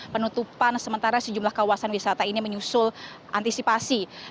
penutupan sementara sejumlah kawasan wisata ini menyusul antisipasi